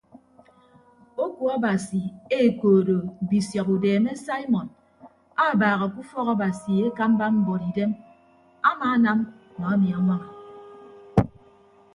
Oku abasi ekoodo bisiọp udeeme saimọn abaaha ke ufọk abasi ekamba mbuọtidem amaanam nọ emi añwaña.